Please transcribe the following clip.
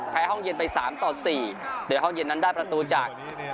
ห้องเย็นไป๓ต่อ๔โดยห้องเย็นนั้นได้ประตูจาก